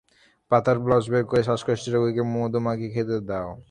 পাতার ব্লস বের করে শ্বাসকষ্টের রুগীকে মধু মাখিয়ে খেতে দাও।